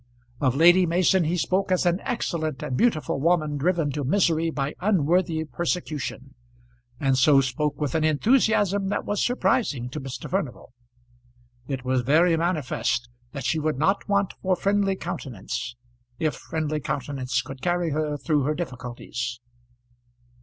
Of Lady Mason he spoke as an excellent and beautiful woman driven to misery by unworthy persecution; and so spoke with an enthusiasm that was surprising to Mr. Furnival. It was very manifest that she would not want for friendly countenance, if friendly countenance could carry her through her difficulties.